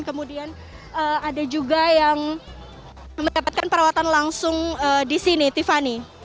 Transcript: kemudian ada juga yang mendapatkan perawatan langsung di sini tiffany